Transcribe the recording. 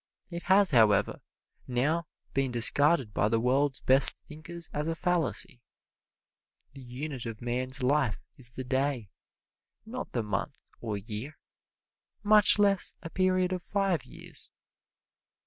It has, however, now been discarded by the world's best thinkers as a fallacy. The unit of man's life is the day, not the month or year, much less a period of five years.